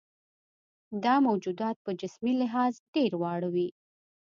دا موجودات په جسمي لحاظ ډېر واړه وي.